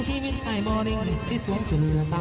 กินต่อมองที่ไหลมันยาวรักได้